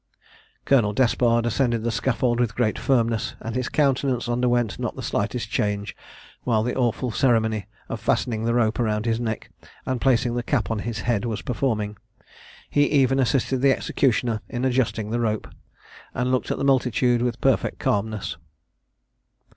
Colonel Despard ascended the scaffold with great firmness, and his countenance underwent not the slightest change while the awful ceremony of fastening the rope round his neck, and placing the cap on his head, was performing; he even assisted the executioner in adjusting the rope; and looked at the multitude with perfect calmness.